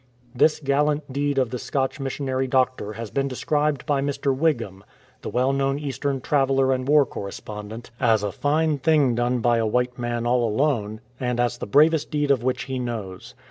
This gallant deed of the Scotch missionary doctor has been described by Mr. Whigham, the well known Eastern traveller and war correspondent, as "a fine thing done by a white man all alone,"" and as the bravest deed of which he knows.